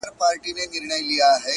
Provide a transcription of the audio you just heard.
خور وايي وروره، ورور وای خورې مه ځه~